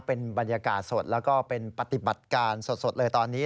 เป็นบรรยากาศสดแล้วก็เป็นปฏิบัติการสดเลยตอนนี้